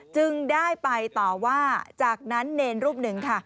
จึงได้ไปต่อว่าจากนั้นเนรรูปหนึ่งค่ะ